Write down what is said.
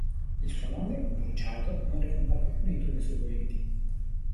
Il suo nome, bruciato, non ricomparve più nei turni seguenti.